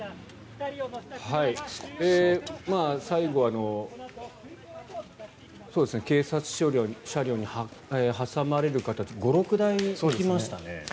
最後は警察車両に挟まれる形で５６台来ましたね。